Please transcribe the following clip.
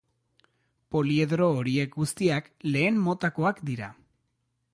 Poliedro horiek guztiak lehen motakoak dira.